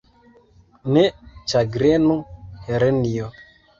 Ne ĉagrenu, Helenjo!